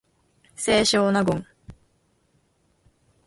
清少納言